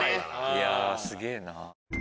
いやすげぇな。